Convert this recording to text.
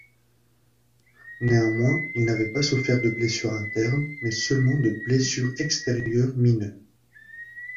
Néanmoins, il n'avait pas souffert de blessures internes, mais seulement de blessures extérieures mineures.